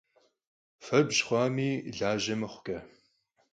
Febj xhuami, laje mıxhuç'e!